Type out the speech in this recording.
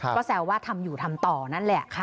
ก็แซวว่าทำอยู่ทำต่อนั่นแหละค่ะ